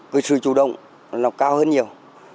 cái sự chủ động nó cao hơn nhiều